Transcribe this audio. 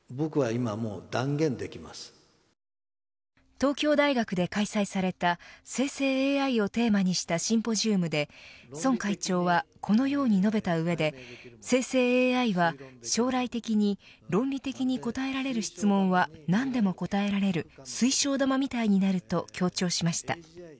東京大学で開催された生成ＡＩをテーマにしたシンポジウムで孫会長は、このように述べた上で生成ＡＩは、将来的に論理的に答えられる質問は何でも答えられる水晶玉みたいになると強調しました。